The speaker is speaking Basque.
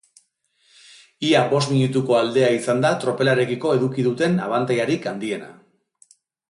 Ia bost minutuko aldea izan da tropelarekiko eduki duten abantailarik handiena.